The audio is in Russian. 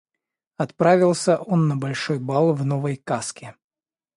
Отправился он на большой бал в новой каске.